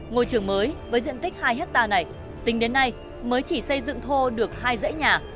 ngôi trường mới với diện tích hai hectare này tính đến nay mới chỉ xây dựng thô được hai dãy nhà